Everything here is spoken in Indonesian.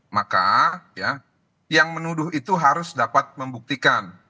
maka yang menuduh itu harus dapat membuktikan